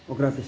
oh gratis ya